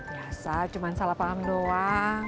biasa cuma salah paham doang